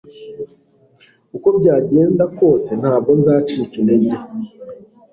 uko byagenda kose ntabwo nzacika intege